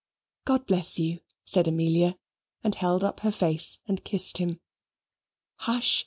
"God bless you," said Amelia, and held up her face and kissed him. "Hush!